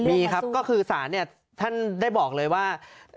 มีครับท่านได้บอกเลยว่า